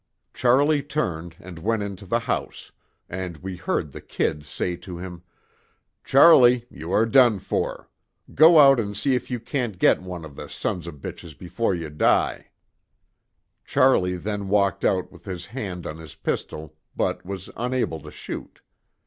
Charlie turned and went into the house, and we heard the 'Kid' say to him: 'Charlie, you are done for. Go out and see if you can't get one of the s of b's before you die.' Charlie then walked out with his hand on his pistol, but was unable to shoot.